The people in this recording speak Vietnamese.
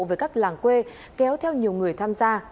với các làng quê kéo theo nhiều người tham gia